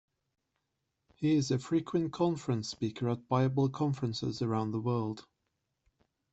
He is a frequent conference speaker at Bible conferences around the world.